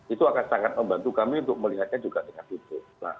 itu akan sangat membantu kami untuk melihatnya juga dengan utuh